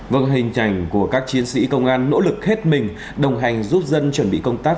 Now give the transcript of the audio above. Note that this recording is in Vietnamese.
vâng hình ảnh của các chiến sĩ công an nỗ lực hết mình đồng hành giúp dân chuẩn bị công tác